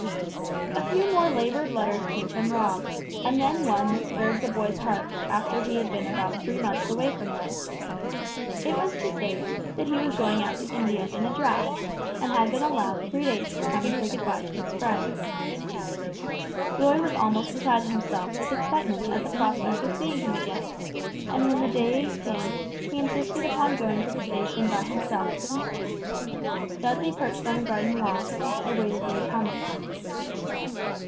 A few more labored letters came from Rob, and then one that stirred the boys' hearts after he had been about three months away from them. It was to say that he was going out to India in a draft, and had been allowed three days to come and say good bye to his friends. Roy was almost beside himself with excitement at the prospect of seeing him again; and when the day came, he insisted upon going to the station by himself to meet him. Dudley perched on the garden wall awaited their coming.